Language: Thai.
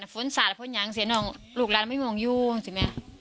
ฝนสาดฝนยังเสียงของลูกร้านไม่มองยุ่งสิแม่